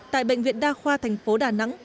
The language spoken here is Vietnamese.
tại bệnh viện đa khoa tp đà nẵng